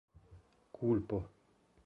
kulpo